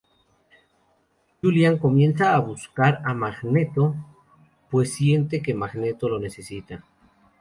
Julian comienza a buscar a Magneto, pues siente que Magneto lo necesita.